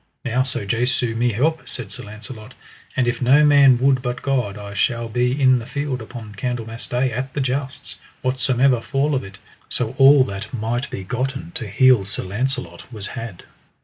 Now so Jesu me help, said Sir Launcelot, and if no man would but God, I shall be in the field upon Candlemas Day at the jousts, whatsomever fall of it: so all that might be gotten to heal Sir Launcelot was had.